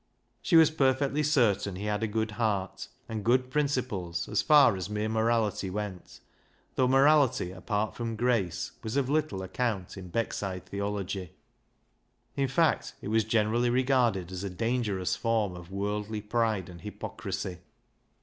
She was perfectly certain he had a good heart, and good principles, as far as mere morality went, though morality apart from grace was of little account in Beckside theology. In fact, it was generally regarded as a dangerous form of worldly pride and hypocrisy.